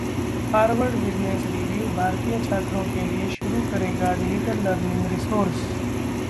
Harvard business review भारतीय छात्रों के लिए शुरू करेगा डिजिटल लर्निंग रिसोर्स